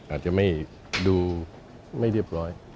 อาจจะไม่ดูไม่เรียบร้อย